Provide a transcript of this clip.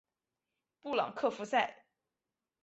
布朗克福塞。